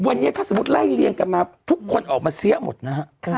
วันนี้ถ้าสมมุติไล่เรียงกันมาทุกคนออกมาเสี้ยหมดนะฮะ